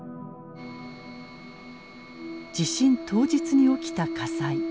地震当日に起きた火災。